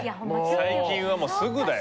最近はもうすぐだよ。